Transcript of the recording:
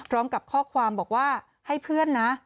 พร้อมกับข้อความบอกว่าให้เพื่อนนะ